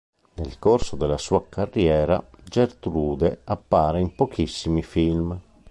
Nel corso della sua carriera, Gertrude appare in pochissimi film.